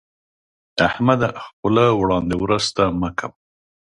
احمده، خوله وړاندې ورسته مه کوه.